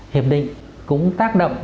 hiệp định cũng tác động